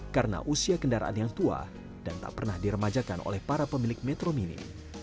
karena usia kendaraan yang tua dan tak pernah diremajakan oleh para pemilik metro mini